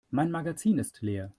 Mein Magazin ist leer.